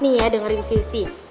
nih ya dengerin sissy